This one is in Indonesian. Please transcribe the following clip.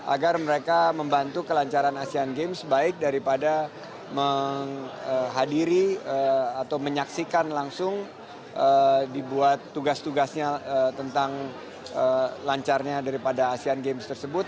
agar mereka membantu kelancaran asean games baik daripada menghadiri atau menyaksikan langsung dibuat tugas tugasnya tentang lancarnya daripada asean games tersebut